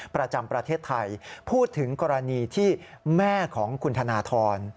ประจำประเทศไทยพูดถึงกรณีที่แม่ของคุณธนทร